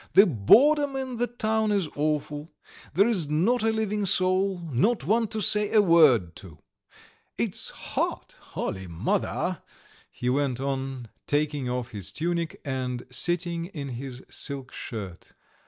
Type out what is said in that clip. The boredom in the town is awful, there is not a living soul, no one to say a word to. It's hot, Holy Mother," he went on, taking off his tunic and sitting in his silk shirt.